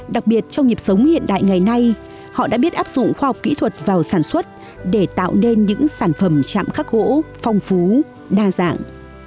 đặc biệt trong nhịp sống hiện đại ngày nay họ đã biết áp dụng khoa học kỹ thuật vào sản xuất để tạo nên những sản phẩm chạm khắc gỗ phong phú đa dạng